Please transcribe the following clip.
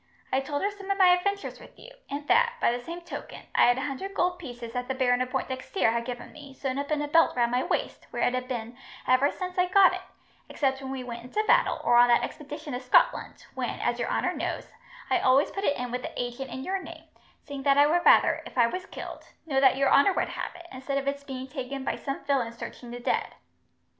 I told her some of my adventures with you, and that, by the same token, I had a hundred gold pieces that the Baron of Pointdexter had given me, sewn up in a belt round my waist, where it has been ever since I got it, except when we went into battle, or on that expedition to Scotland, when, as your honour knows, I always put it in with the agent in your name, seeing that I would rather, if I was killed, know that your honour would have it, instead of its being taken by some villain searching the dead.